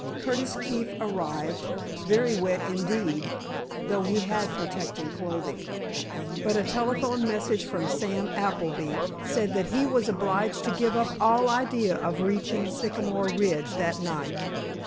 Curtis Keefe arrived, very wet indeed, though he had protecting clothing. But a telephone message from Sam Appleby said that he was obliged to give up all idea of reaching Sycamore Ridge that night.